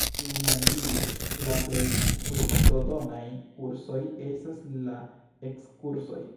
Iu iam diris: ”La plej fruktodonaj kursoj estas la ekskursoj”.